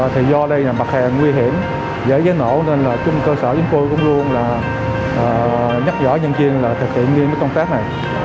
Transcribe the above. thì do đây là mặt hàng nguy hiểm dễ nổ nên là chung cơ sở chúng tôi cũng luôn là nhắc nhở nhân viên là thực hiện nghiêm công tác này